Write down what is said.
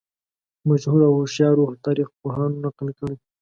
مشهورو او هوښیارو تاریخ پوهانو نقل کړې.